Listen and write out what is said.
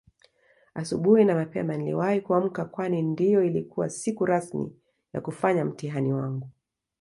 Asubuhi na mapema niliwahi kuamka Kwani ndio ilikuwa siku rasmi ya kufanya mtihani wangu